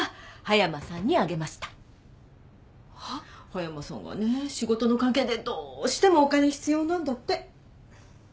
葉山さんがね仕事の関係でどしてもお金必要なんだって。